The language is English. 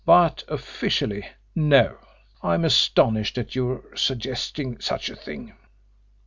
But officially no. I'm astonished at your suggesting such a thing."